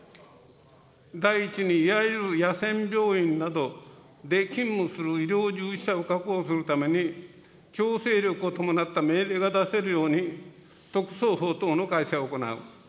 第１に、いわゆる野戦病院などで、勤務する医療従事者を確保するために、強制力を伴った命令が出せるように特措法等の改正を行う。